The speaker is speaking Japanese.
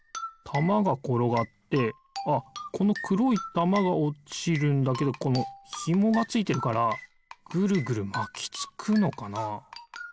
たまがころがってああこのくろいたまがおちるんだけどこのひもがついてるからぐるぐるまきつくのかな。